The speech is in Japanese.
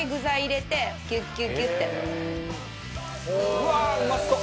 うわーうまそう！